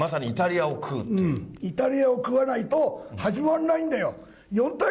イタリアを食わないと始まんないんだよ。